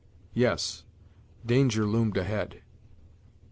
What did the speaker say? Yes, danger loomed ahead.